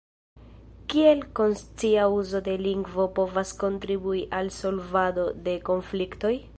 Kiel konscia uzo de lingvo povas kontribui al solvado de konfliktoj?